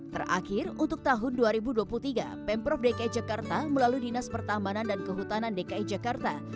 terakhir untuk tahun dua ribu dua puluh tiga pemprov dki jakarta melalui dinas pertamanan dan kehutanan dki jakarta